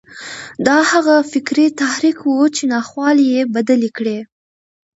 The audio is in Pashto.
دا هغه فکري تحرک و چې ناخوالې یې بدلې کړې